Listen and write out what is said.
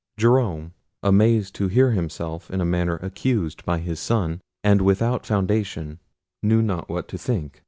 Jerome, amazed to hear himself in a manner accused by his son, and without foundation, knew not what to think.